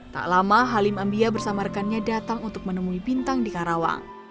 tak lama halim ambia bersama rekannya datang untuk menemui bintang di karawang